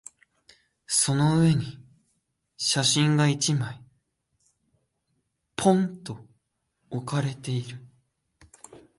その上に写真が一枚、ぽんと置かれている。